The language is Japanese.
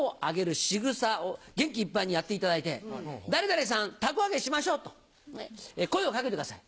しぐさを元気いっぱいにやっていただいて「誰々さん凧揚げしましょう」と声を掛けてください。